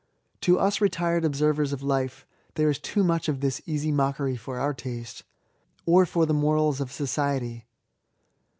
To us retired observers of life there is too much of this easy mockery for our taste, or for the morals of society.